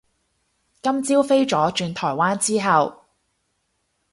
今朝飛咗轉台灣之後